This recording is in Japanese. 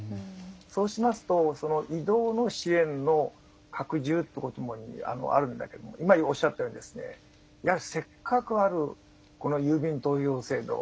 そうしますと移動の支援の拡充ということもあるんだけれども今、おっしゃったようにせっかくあるこの郵便投票制度